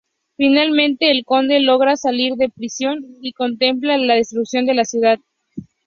Finalmente, el Conde logra salir de prisión y contempla la destrucción de la ciudad.